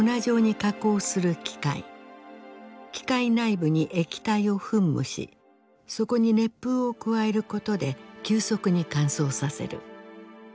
機械内部に液体を噴霧しそこに熱風を加えることで急速に乾燥させる。